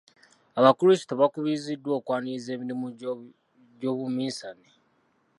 Abakrisito bakubiriziddwa okwaniriza emirimu gy'obuminsane.